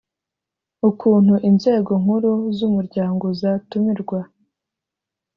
ukuntu inzego nkuru z umuryango zatumirwa